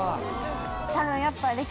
多分やっぱ。